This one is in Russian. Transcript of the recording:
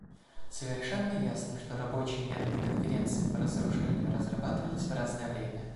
Совершенно ясно, что рабочие методы Конференции по разоружению разрабатывались в разное время.